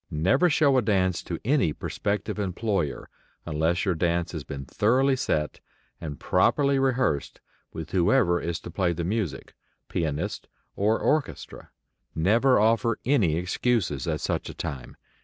Never show a dance to any prospective employer unless your dance has been thoroughly set and properly rehearsed with whoever is to play the music, pianist or orchestra. Never offer any excuses at such a time.